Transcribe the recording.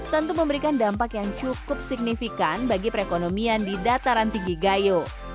tentu memberikan dampak yang cukup signifikan bagi perekonomian di dataran tinggi gayo